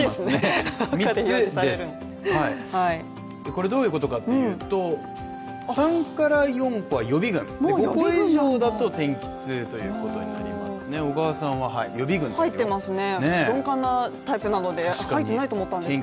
これどういうことかっていうと、３から４個は予備軍これ以上だと天気痛ということになりますね小川さんは予備軍とということですね